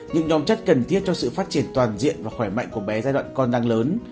những nhóm chất cần thiết cho sự phát triển toàn diện và khỏe mạnh của bé giai đoạn con đang lớn